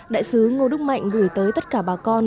đại sứ ngô đức mạnh gửi tới tất cả bà con